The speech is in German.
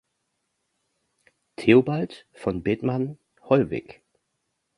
Theobald von Bethmann-Hollweg